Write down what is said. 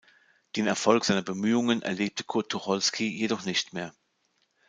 Den Erfolg seiner Bemühungen erlebte Kurt Tucholsky jedoch nicht mehr.